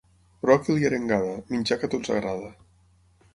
Bròquil i arengada, menjar que a tots agrada.